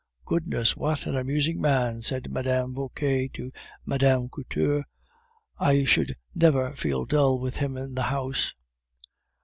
"Goodness! what an amusing man!" said Mme. Vauquer to Mme. Couture; "I should never feel dull with him in the house."